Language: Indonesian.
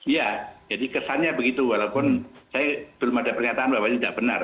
ya jadi kesannya begitu walaupun saya belum ada pernyataan bahwa ini tidak benar